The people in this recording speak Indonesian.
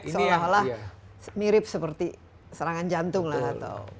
seolah olah mirip seperti serangan jantung lah atau